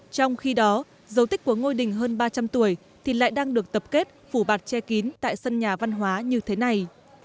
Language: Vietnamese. trong khi đó dấu tích của ngôi đình hơn ba trăm linh tuổi thì lại đang được tập kết phủ bạt che kín tại sân nhà văn hóa như thế này